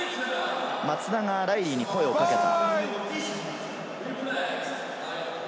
松田がライリーに声をかけた。